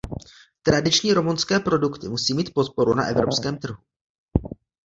Tradiční rumunské produkty musí mít podporu na evropském trhu.